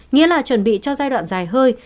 nghĩa là chuẩn bị cho giai đoạn dài hơi